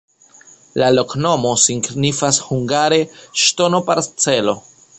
La loknomo signifas hungare ŝtono-parcelo.